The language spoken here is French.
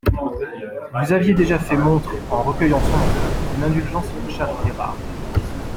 Vous aviez déjà fait montre, en recueillant son enfant, d'une indulgence et d'une charité rares.